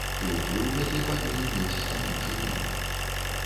І ўплыў гэты павінен мець станоўчы вынік.